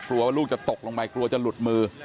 กลัวว่าลูกจะตกลงไปกลัวจะหลุดมือ